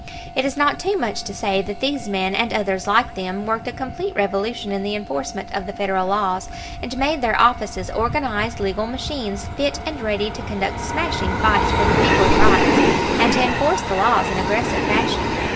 It is not too much to say that these men, and others like them, worked a complete revolution in the enforcement of the Federal laws, and made their offices organized legal machines fit and ready to conduct smashing fights for the people's rights and to enforce the laws in aggressive fashion.